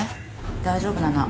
大丈夫なの？